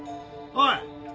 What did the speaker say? おい！